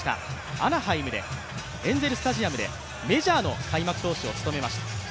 アナハイムで、エンゼル・スタジアムでメジャーの開幕投手を務めました。